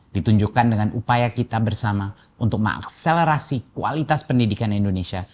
ditunjukkan dengan upaya kita bersama untuk mengakselerasi kualitas pendidikan indonesia